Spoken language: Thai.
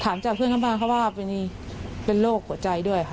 ถามจากเพื่อนข้างบ้านเขาว่าเป็นโรคหัวใจด้วยค่ะ